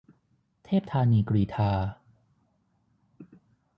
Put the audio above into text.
เทพธานีกรีฑา